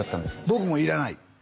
僕もいらない